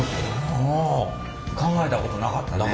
考えたことなかったね。